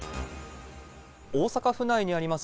大阪府内にあります